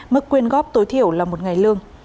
mức quyên góp tối thiểu là một ngày lương